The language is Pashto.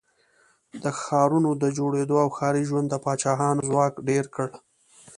د ښارونو د جوړېدو او ښاري ژوند د پاچاهانو ځواک ډېر کړ.